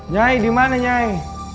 nyai dimana nyai